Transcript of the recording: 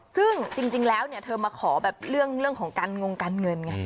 ซึ่งจริงแล้วเนี่ยเธอมาขอแบบเรื่องของการงงการเงินไง